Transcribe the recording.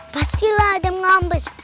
pastilah ada yang ngambek